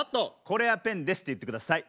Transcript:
これはペンですって言ってください。